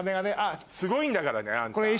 すごいんだからねあんた。